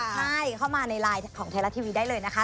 ใช่เข้ามาในไลน์ของไทยรัฐทีวีได้เลยนะคะ